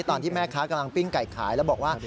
ตอนที่แม่ค้ากำลังปิ้งไก่ขายแล้วบอกว่า